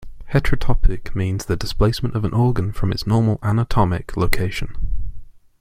Heterotopic means the displacement of an organ from its normal anatomic location.